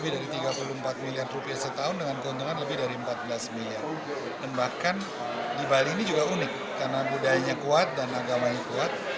dan bahkan di bali ini juga unik karena budayanya kuat dan agamanya kuat